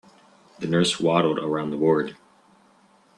The nurse waddled around the ward.